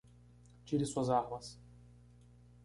Tire suas armas.